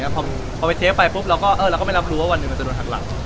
พอที่พี่เทกก์ไปปุ่บแล้วก็ไม่รับรู้ว่าวันหนึ่งจะโดนหักหลัง